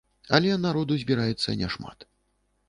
Але народу збіраецца няшмат.